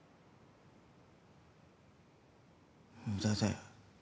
無駄だよ。